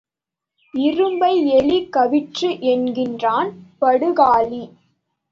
இரும்பை எலி கவ்விற்று என்கிறான், படுக்காளி.